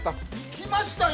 ◆来ましたよ。